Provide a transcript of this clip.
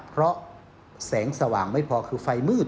เพราะแสงสว่างไม่พอคือไฟมืด